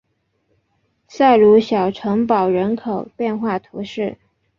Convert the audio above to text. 塞鲁小城堡人口变化图示